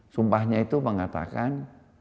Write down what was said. sumpahnya itu mengatakan